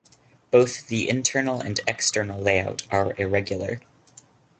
Both the internal and external layout are irregular.